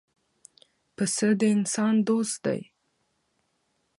پسه د انسان دوست دی.